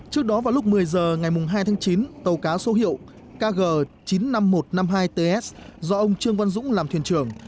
trước đó vào lúc một mươi h ngày hai tháng chín tàu cá số hiệu kg chín mươi năm nghìn một trăm năm mươi hai ts do ông trương văn dũng làm thuyền trưởng